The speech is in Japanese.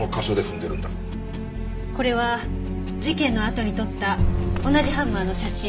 これは事件のあとに撮った同じハンマーの写真。